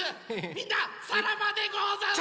みんなさらばでござんす！